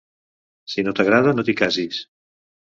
Si no t'agrada, no t'hi casis.